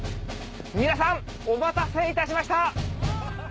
皆さんお待たせいたしました！